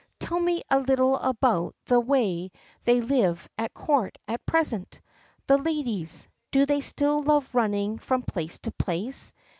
Tell me a little about the way they live at Court at present: the ladies, do they still love running from place to place?